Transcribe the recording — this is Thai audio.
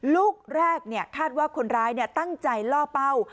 ลูกแรกคาดว่าคนร้ายตั้งใจล่อเป้า